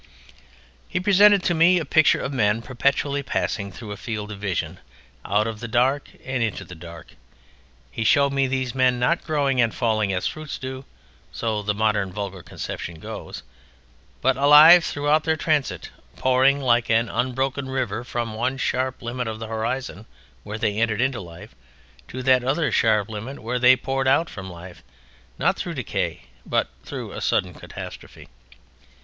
He presented to me a picture of men perpetually passing through a field of vision out of the dark and into the dark. He showed me these men, not growing and falling as fruits do (so the modern vulgar conception goes) but alive throughout their transit: pouring like an unbroken river from one sharp limit of the horizon whence they entered into life to that other sharp limit where they poured out from life, not through decay, but through a sudden catastrophe.